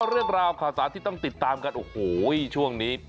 เรื่องราวข่าวสารที่ต้องติดตามกันโอ้โหช่วงนี้